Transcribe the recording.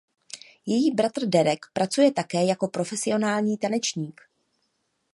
Její bratr Derek pracuje také jako profesionální tanečník.